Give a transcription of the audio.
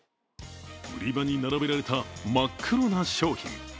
売り場に並べられた真っ黒な商品。